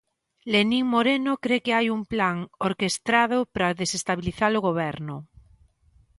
Lenín Moreno cre que hai un plan orquestrado para desestabilizar o Goberno.